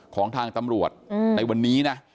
ของทางตำรวจในวันนี้นะ